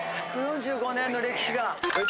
１４５年の歴史が！